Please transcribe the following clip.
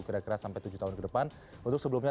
kira kira sampai tujuh tahun ke depan untuk sebelumnya